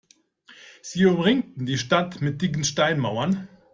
Sie umringten die Stadt mit dicken Steinmauern.